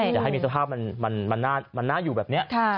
อย่าให้มีสภาพมันน่าอยู่แบบนี้